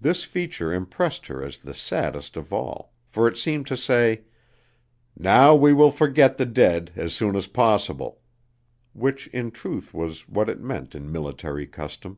This feature impressed her as the saddest of all, for it seemed to say: "Now, we will forget the dead as soon as possible," which in truth was what it meant in military custom.